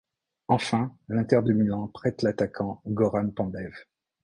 Enfin, l'Inter de Milan prête l'attaquant Goran Pandev.